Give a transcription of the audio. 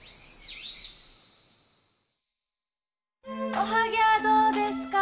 おはぎはどうですか？